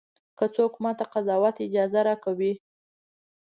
که څوک ماته د قضاوت اجازه راکوي.